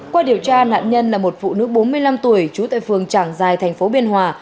qua điều tra nạn nhân là một phụ nữ bốn mươi năm tuổi trú tại phường trảng giài thành phố biên hòa